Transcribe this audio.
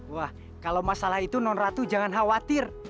wah kalau masalah itu non ratu jangan khawatir